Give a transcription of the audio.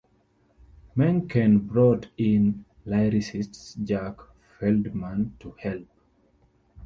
Menken brought in lyricist Jack Feldman to help.